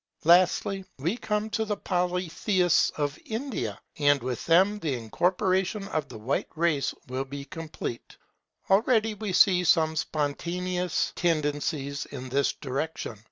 Lastly, we come to the Polytheists of India; and with them the incorporation of the White race will be complete. Already we see some spontaneous tendencies in this direction.